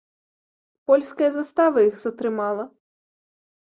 Польская застава іх затрымала.